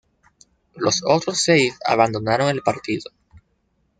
Los otros seis abandonaron el partido.